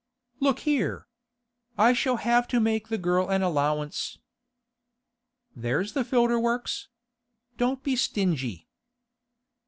'Look here! I shall have to make the girl an allowance.' 'There's the filter works. Don't be stingy.